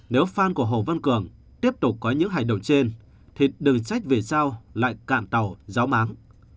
nếu fan của hồ văn cường tiếp tục có những hành động trên thì đừng trách vì sao lại cạn tàu gió máng